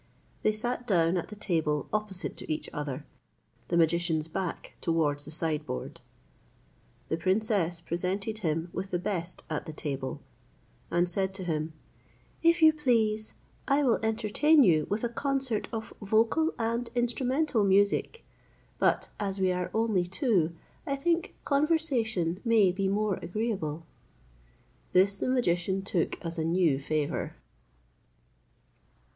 They sat down at the table opposite to each other, the magician's back towards the sideboard. The princess presented him with the best at the table, and said to him, "If you please, I will entertain you with a concert of vocal and instrumental music; but, as we are only two, I think conversation maybe more agreeable." This the magician took as a new favour.